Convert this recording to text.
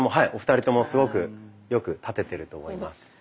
お二人ともすごくよく立ててると思います。